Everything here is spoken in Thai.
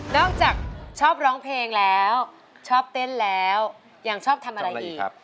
อกจากชอบร้องเพลงแล้วชอบเต้นแล้วยังชอบทำอะไรอีก